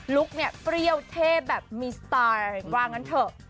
ุคเนี่ยเปรี้ยวเท่แบบมีสไตล์ว่างั้นเถอะ